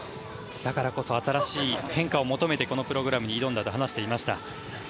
だからこそ、新しい変化を求めてこのプログラムに挑んだと話していました。